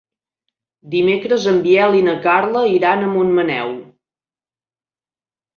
Dimecres en Biel i na Carla iran a Montmaneu.